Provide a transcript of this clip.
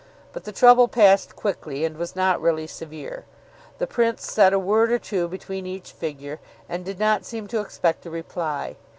But the trouble passed quickly, and was not really severe. The Prince said a word or two between each figure, and did not seem to expect a reply.